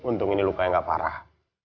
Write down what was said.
untung ini luka yang gak parah